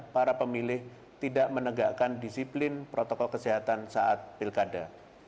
para pemilih tidak menegakkan disiplin protokol kesehatan saat pilkada